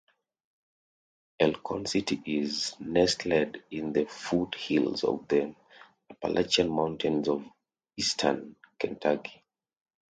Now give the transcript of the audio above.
Elkhorn City is nestled in the foothills of the Appalachian Mountains of Eastern Kentucky.